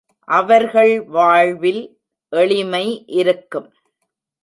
அவர்கள் வாழ்வில் எளிமை இருக்கும்.